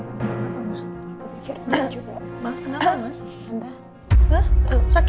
mak kenapa mak